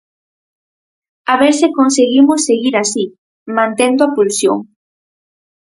A ver se conseguimos seguir así, mantendo a pulsión.